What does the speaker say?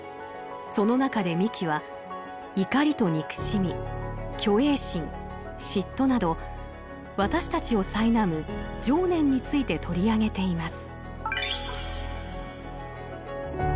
その中で三木は怒りと憎しみ虚栄心嫉妬など私たちをさいなむ情念について取り上げています。